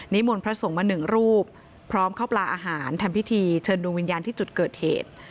มนต์พระสงฆ์มาหนึ่งรูปพร้อมเข้าปลาอาหารทำพิธีเชิญดวงวิญญาณที่จุดเกิดเหตุ